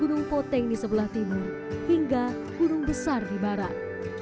gunung poteng di sebelah timur hingga gunung besar di barat